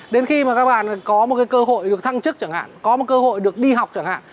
đến khi mà các bạn có một cơ hội được thăng chức chẳng hạn có một cơ hội được đi học chẳng hạn